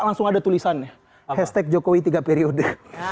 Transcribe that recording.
langsung ada tulisannya hashtag jokowi tiga periode